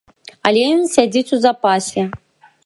Але ён сядзіць у запасе.